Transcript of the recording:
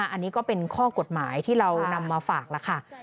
อันนี้ก็เป็นข้อกฎหมายที่เรานำมาฝากแล้วค่ะ